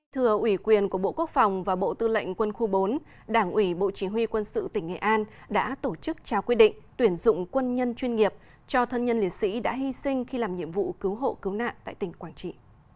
thưa ủy quyền của bộ quốc phòng và bộ tư lệnh quân khu bốn đảng ủy bộ chỉ huy quân sự tỉnh nghệ an đã tổ chức trao quy định tuyển dụng quân nhân chuyên nghiệp cho thân nhân liệt sĩ đã hy sinh khi làm nhiệm vụ cứu hộ cứu nạn tại tỉnh quảng trị